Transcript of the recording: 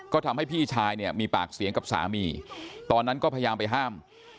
ก็ทำให้พี่ชายเนี่ยมีปากเสียงกับสามีตอนนั้นก็พยายามไปห้าม